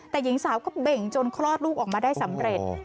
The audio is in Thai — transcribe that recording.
แต่หญิงสาวก็เบ่งจนคลอดลูกออกมาได้สำเร็จ